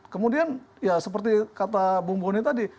kemudian ya seperti kata bung boni tadi